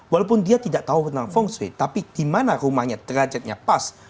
walaupun dia tidak tahu tentang feng shui tapi di mana rumahnya derajatnya pas